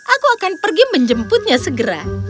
aku akan pergi menjemputnya segera